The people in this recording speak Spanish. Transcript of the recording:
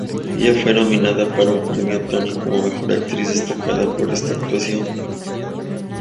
Ella fue nominada para un Premio Tony como Mejor Actriz Destacada por esta actuación.